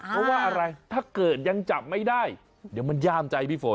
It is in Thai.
เพราะว่าอะไรถ้าเกิดยังจับไม่ได้เดี๋ยวมันย่ามใจพี่ฝน